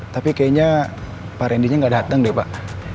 tapi kayaknya pak randy nya gak datang deh pak